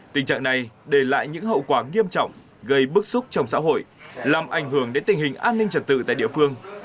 tình trạng này để lại những hậu quả nghiêm trọng gây bức xúc trong xã hội làm ảnh hưởng đến tình hình an ninh trật tự tại địa phương